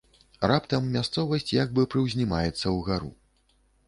Раптам мясцовасць як бы прыўзнімаецца ўгару.